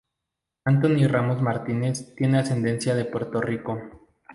Anthony Ramos Martinez tiene ascendencia de Puerto Rico.